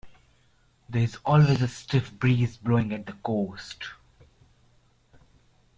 There's always a stiff breeze blowing at the coast.